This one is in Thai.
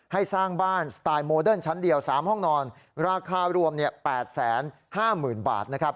สร้างบ้านสไตล์โมเดิร์นชั้นเดียว๓ห้องนอนราคารวม๘๕๐๐๐บาทนะครับ